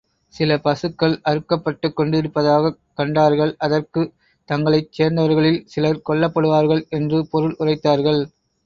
சில பசுக்கள் அறுக்கப்பட்டுக் கொண்டிருப்பதாகக் கண்டார்கள் அதற்குத் தங்களைச் சேர்ந்தவர்களில் சிலர் கொல்லப்படுவார்கள் என்று பொருள் உரைத்தார்கள்.